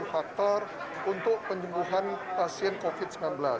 faktor untuk penyembuhan pasien covid sembilan belas